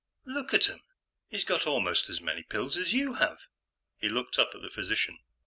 "Look at 'em. He's got almost as many pills as you have." He looked up at the physician.